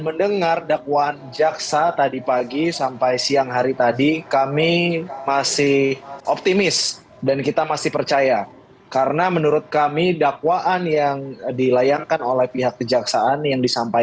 memang betul otak dari pembunuhan ini adalah verdi sambo